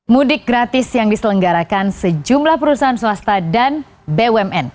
mudik gratis yang diselenggarakan sejumlah perusahaan swasta dan bumn